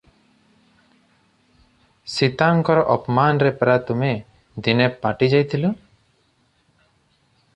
ସୀତାଙ୍କର ଅପମାନରେ ପରା ତୁମେ ଦିନେ ଫାଟି ଯାଇଥିଲ?